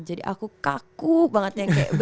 jadi aku kaku banget